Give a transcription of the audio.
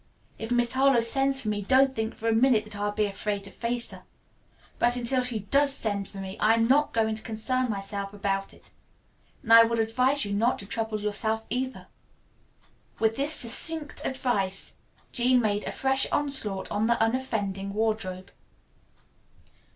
If Miss Harlowe sends for me, don't think for a minute that I'll be afraid to face her, but until she does send for me I am not going to concern myself about it, and I would advise you not to trouble yourself, either." With this succinct advice Jean made a fresh onslaught on the unoffending wardrobe.